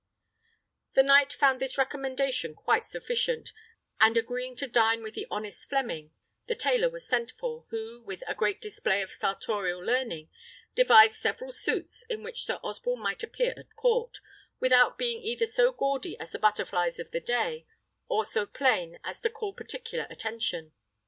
The knight found this recommendation quite sufficient; and agreeing to dine with the honest Fleming, the tailor was sent for, who, with a great display of sartorial learning, devised several suits, in which Sir Osborne might appear at court, without being either so gaudy as the butterflies of the day, or so plain as to call particular attention.